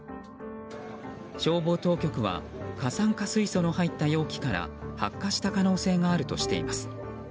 消防当局は過酸化水素の入った容器から発火した可能性があるとしています。